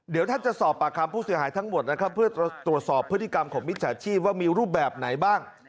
เดี๋ยวท่านจะสอบปากคำผู้เสียหายทั้งหมดนะครับเพื่อตรวจสอบพฤติกรรมของมิจฉาชีพว่ามีรูปแบบไหนบ้าง